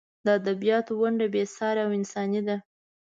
د ادبیاتو ونډه بې سارې او انساني ده.